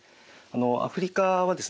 アフリカはですね